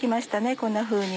こんなふうに。